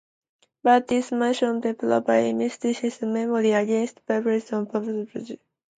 By this mechanism they provide the immune system with "memory" against previously encountered pathogens.